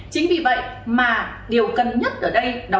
chính vì vậy mà điều cần nhất ở đây